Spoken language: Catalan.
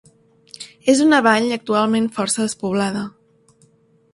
És una vall actualment força despoblada.